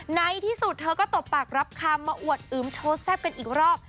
ในที่สุดเธอก็ตบปากรับคำมาอวดอึมโชว์แซ่บกันอีกรอบ